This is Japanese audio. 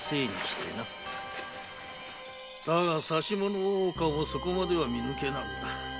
だがさしもの大岡もそこまでは見抜けなんだ。